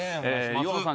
岩尾さん